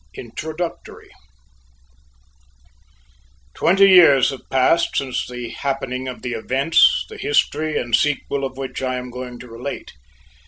"] INTRODUCTORY Twenty years have passed since the happening of the events, the history and sequel of which I am going to relate.